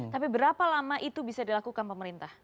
tapi berapa lama itu bisa dilakukan pemerintah